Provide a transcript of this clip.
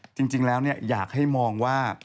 จริงแล้วอยากให้มองว่า